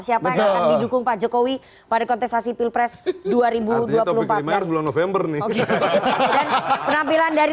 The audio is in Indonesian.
siapa yang akan didukung pak jokowi pada kontestasi pilpres dua ribu dua puluh empat bulan november nih penampilan dari